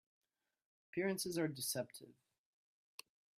Appearances are deceptive.